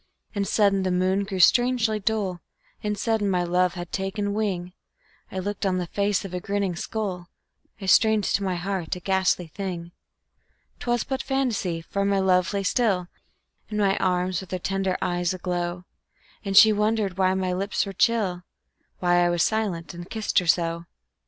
And sudden the moon grew strangely dull, And sudden my love had taken wing; I looked on the face of a grinning skull, I strained to my heart a ghastly thing. 'Twas but fantasy, for my love lay still In my arms, with her tender eyes aglow, And she wondered why my lips were chill, Why I was silent and kissed her so.